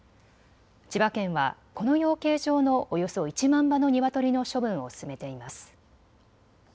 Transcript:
千葉県はこの養鶏場のおよそ１万羽のニワトリの処分を進めています。